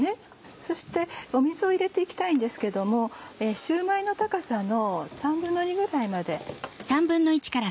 そして水を入れて行きたいんですけどもシューマイの高さの２／３ぐらいまで。